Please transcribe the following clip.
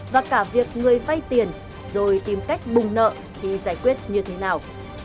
và cả việc người vay tiền rồi tìm cách bùng nợ thì giải quyết như thế nào